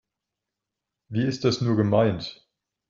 Wie ist das nur gemeint?